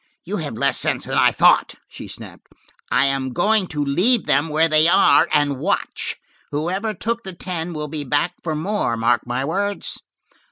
"You have less sense than I thought," she snapped. "I am going to leave them where they are, and watch. Whoever took the ten will be back for more, mark my words."